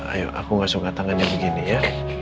ayo aku ngasukkan tangannya begini ya